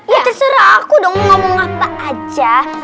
ya terserah aku dong ngomong apa aja